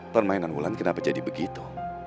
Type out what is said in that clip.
permainan wulan kenapa jadi begitu